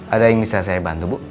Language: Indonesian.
ada yang bisa saya bantu bu